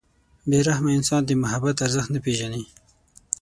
• بې رحمه انسان د محبت ارزښت نه پېژني.